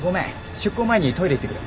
出航前にトイレ行ってくる。